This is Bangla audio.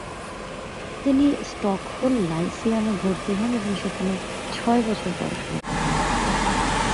তিনি স্টকহোল লাইসিয়ামে ভর্তি হন এবং সেখানে ছয় বছর পড়াশোনা করেন।